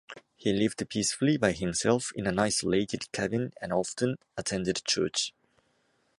He lived peacefully by himself in an isolated cabin and often attended church.